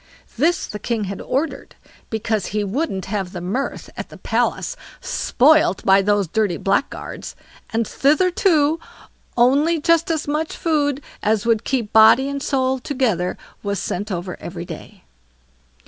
This the king had ordered, because he wouldn't have the mirth at the palace spoilt by those dirty blackguards; and thither, too, only just as much food as would keep body and soul together was sent over everyday.